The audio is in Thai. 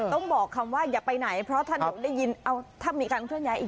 ต้องบอกคำว่าอย่าไปไหนเพราะถ้าหนูได้ยินเอาถ้ามีการเคลื่อนย้ายอีก